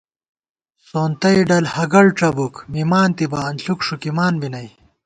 سونتَئ ڈل ہگَڑڄَبُوک، مِمانتِبہ انݪُک ݭُکِمان بی نئ